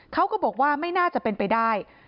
เขาก็บอกว่าไม่น่าจะเป็นไปได้